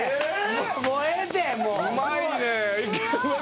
うまいね。